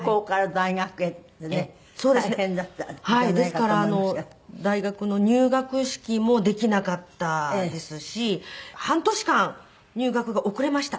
ですから大学の入学式もできなかったですし半年間入学が遅れました。